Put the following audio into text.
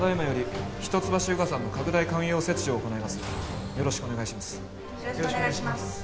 よろしくお願いします。